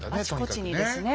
あちこちにですね。